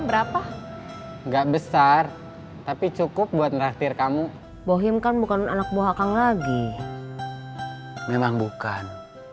berapa enggak besar tapi cukup buat naktir kamu bohim kan bukan anak buah kamu lagi memang bukan